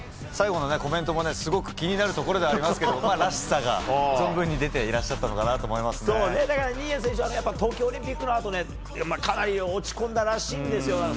最後のコメントもすごく気になるところではありますがらしさが存分に出ていらっしゃったのかなと新谷選手は東京オリンピックのあとかなり落ち込んだらしいんですよ。